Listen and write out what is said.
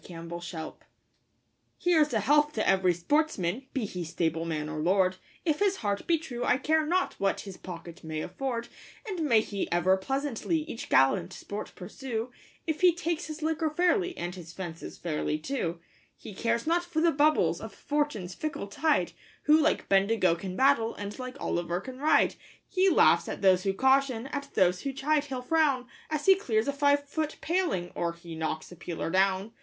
A Hunting Song Here's a health to every sportsman, be he stableman or lord, If his heart be true, I care not what his pocket may afford; And may he ever pleasantly each gallant sport pursue, If he takes his liquor fairly, and his fences fairly, too. He cares not for the bubbles of Fortune's fickle tide, Who like Bendigo can battle, and like Olliver can ride. He laughs at those who caution, at those who chide he'll frown, As he clears a five foot paling, or he knocks a peeler down.